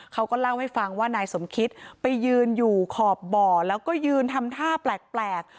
เขาก็เล่าให้ฟังว่านายสมคิตไปยืนอยู่ขอบบ่อแล้วก็ยืนทำท่าแปลก